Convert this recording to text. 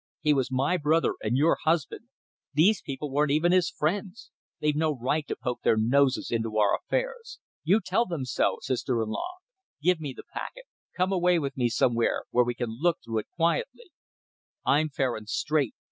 He was my brother and your husband. These people weren't even his friends. They've no right to poke their noses into our affairs. You tell them so; sister in law. Give me the packet. Come away with me somewhere where we can look it through quietly. I'm fair and straight.